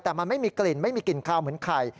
แต่มันไม่มีกลิ่นไม่มีกลิ่นคาวเหมือนไข่